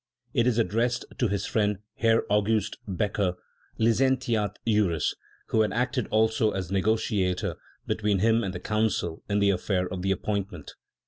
It is addressed to his friend Herr August Becker, Lizentiat Juris, who had acted also as negociator between him and the Council in the affair of the appointment*.